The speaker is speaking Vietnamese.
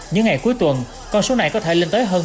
những ngày cuối tuần con số này có thể lên tới hơn một mươi năm